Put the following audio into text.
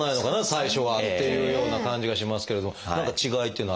最初はっていうような感じがしますけれど何か違いっていうのはあるんですか？